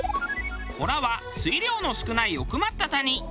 「ホラ」は水量の少ない奥まった谷。